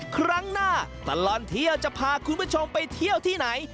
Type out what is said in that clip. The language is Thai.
ครั้งหน้าตลอดเที่ยวจะพาคุณผู้ชมไปเที่ยวที่ไหน